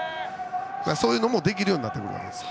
そういうのもできるようになってもらいたいです。